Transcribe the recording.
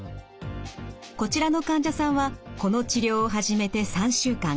こちらの患者さんはこの治療を始めて３週間。